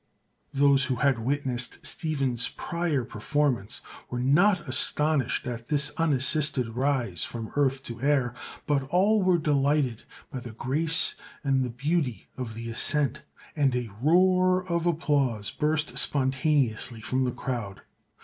Those who had witnessed Stephen's prior performance were not astonished at this unassisted rise from earth to air, but all were delighted by the grace and beauty of the ascent and a roar of applause burst spontaneously from the crowd.